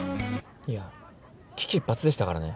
いや危機一髪でしたからね。